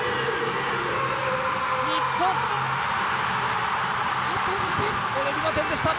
日本、あと２点、及びませんでした。